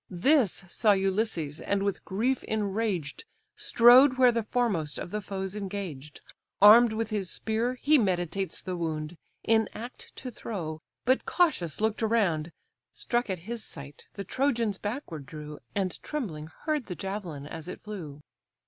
This saw Ulysses, and with grief enraged, Strode where the foremost of the foes engaged; Arm'd with his spear, he meditates the wound, In act to throw; but cautious look'd around, Struck at his sight the Trojans backward drew, And trembling heard the javelin as it flew.